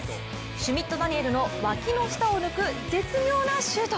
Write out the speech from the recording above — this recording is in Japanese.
シュミット・ダニエルのわきの下を抜く絶妙なシュート